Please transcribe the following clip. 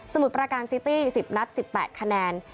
มุดประการซิตี้๑๐นัด๑๘คะแนน